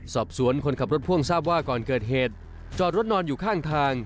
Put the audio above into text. สอบสวนคนขับรถพ่วงทราบว่าก่อนเกิดเหตุจอดรถนอนอยู่ข้างทาง